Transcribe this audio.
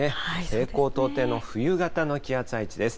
西高東低の冬型の気圧配置です。